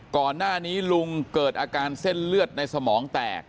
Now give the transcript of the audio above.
ก่อนหน้านี้ลุงเกิดอาการเส้นเลือดในสมองแตก